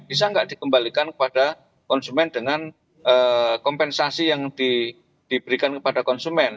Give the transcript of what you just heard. bisa nggak dikembalikan kepada konsumen dengan kompensasi yang diberikan kepada konsumen